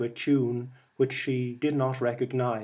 Regina tune which she did not recognize.